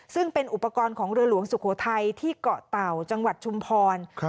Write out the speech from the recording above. ซึ่งเป็นอุปกรณ์ของเรือหลวงสุโขทัยที่เกาะเต่าจังหวัดชุมพร